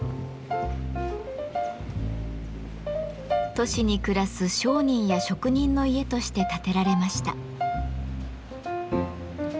都市に暮らす商人や職人の家として建てられました。